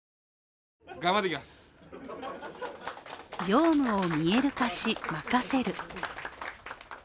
業務を見える化し、任せる。